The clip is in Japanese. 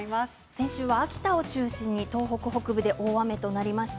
先週は秋田を中心に東北北部で大雨となりました。